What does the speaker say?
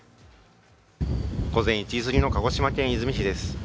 午前１時過ぎの鹿児島県出水市です。